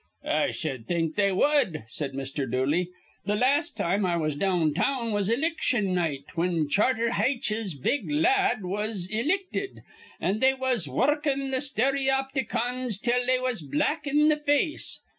"I sh'd think they wud," said Mr. Dooley. "Th' las' time I was down town was iliction night, whin Charter Haitch's big la ad was ilicted, an' they was wurrukin' th' stereopticons till they was black in th' face.